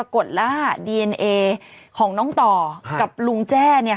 มีการยืนยันออกมาค่ะว่า